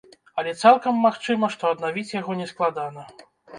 Але цалкам магчыма, што аднавіць яго не складана.